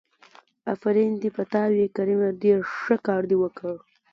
آفرين دې په تا وي کريمه ډېر ښه کار دې وکړ.